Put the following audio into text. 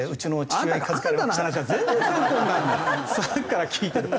さっきから聞いてると。